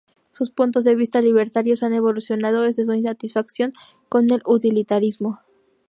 Sus puntos de vista libertarios han evolucionado desde su insatisfacción con el utilitarismo.